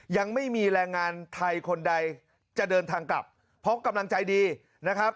ยังไม่มีแรงงานไทยคนใดจะเดินทางกลับเพราะกำลังใจดีนะครับ